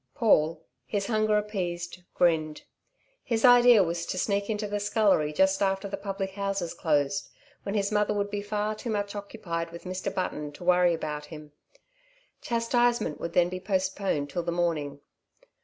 Paul, his hunger appeased, grinned. His idea was to sneak into the scullery just after the public houses closed, when his mother would be far too much occupied with Mr. Button to worry about him. Chastisement would then be postponed till the morning.